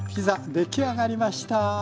出来上がりました。